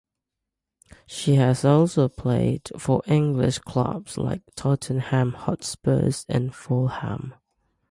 She has also played for English clubs like Tottenham Hotspurs and Fulham.